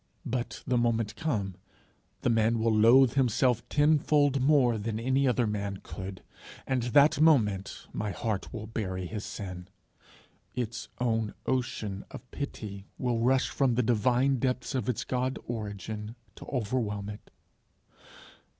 but, the moment come, the man will loathe himself tenfold more than any other man could, and that moment my heart will bury his sin. Its own ocean of pity will rush from the divine depths of its God origin to overwhelm it.